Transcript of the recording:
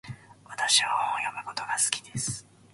私は本を読むことが好きです。